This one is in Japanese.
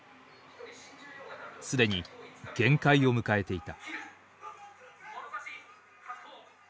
既に限界を迎えていた。